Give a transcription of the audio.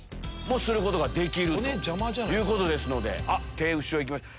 手後ろいきました